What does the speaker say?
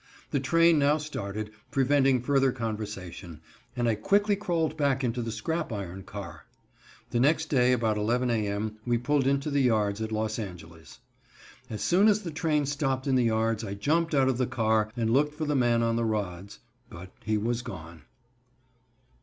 The train now started, preventing further conversation, and I quickly crawled back into the scrap iron car. The next day about 11 a. m. we pulled into the yards at Los Angeles. As soon as the train stopped in the yards I jumped out of the car and looked for the man on the rods, but he was gone.